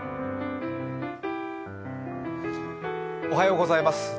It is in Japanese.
おはようございます。